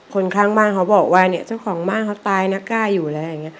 คนข้างบ้านเขาบอกว่าเนี่ยเจ้าของบ้านเขาตายนะกล้าอยู่แล้วอย่างนี้